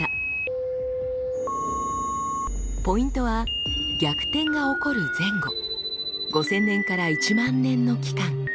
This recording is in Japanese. ポイントは逆転が起こる前後５，０００年から１万年の期間。